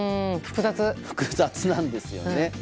複雑なんですよね。